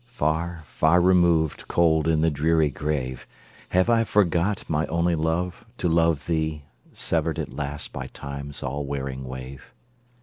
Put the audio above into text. Far, far removed, cold in the dreary grave! Have I forgot, my only love, to love thee, Severed at last by Time's all wearing wave?